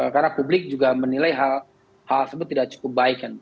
karena publik juga menilai hal hal sebut tidak cukup baik